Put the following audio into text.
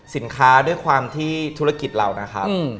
ด้วยความที่ธุรกิจเรานะครับ